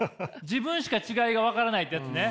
自分しか違いが分からないってやつね。